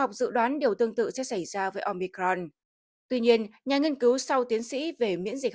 học dự đoán điều tương tự sẽ xảy ra với omicron tuy nhiên nhà nghiên cứu sau tiến sĩ về miễn dịch